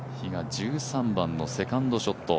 １３番のセカンドショット。